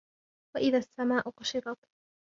وَإِذَا السَّمَاءُ كُشِطَتْ